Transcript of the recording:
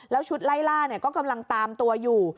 แล้วชุดไล่ล่าก็กำลังตามตัวอยู่